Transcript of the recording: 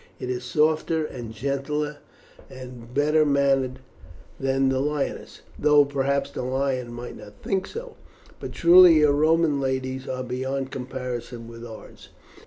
"It is softer and gentler and better mannered than the lioness, though, perhaps, the lion might not think so. But truly your Roman ladies are beyond comparison with ours.